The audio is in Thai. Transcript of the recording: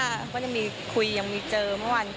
แล้วก็ยังมีคุยยังมีเจอเมื่อวัน